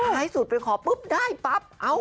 ท้ายสุดไปขอปุ๊บได้ปั๊บ